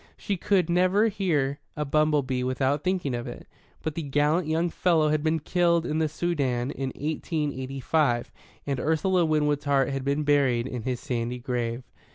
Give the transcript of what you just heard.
She could never hear a bumble bee without thinking of it. But the gallant young fellow had been killed in the Soudan in eighteen eighty five, and Ursula Winwood's heart had been buried in his sandy grave.